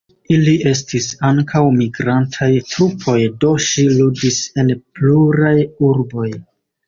Ili estis ankaŭ migrantaj trupoj, do ŝi ludis en pluraj urboj.